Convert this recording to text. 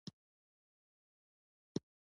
دوی د هغه عجيبه قدرت له امله مخ شوي چې کنټرول نه لري.